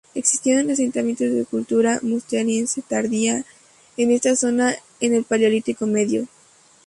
Existieron asentamientos de cultura musteriense tardía en esta zona en el Paleolítico Medio.